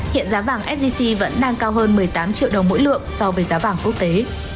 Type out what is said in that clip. hiện giá vàng sgc vẫn đang cao hơn một mươi tám triệu đồng mỗi lượng so với giá vàng quốc tế